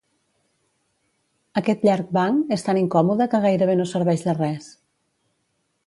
Aquest llarg banc és tan incòmode que gairebé no serveix de res.